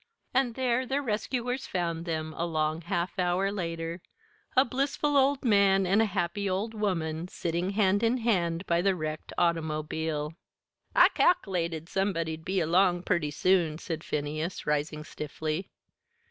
And there their rescuers found them a long half hour later a blissful old man and a happy old woman sitting hand in hand by the wrecked automobile. "I cal'lated somebody'd be along purty soon," said Phineas, rising stiffly.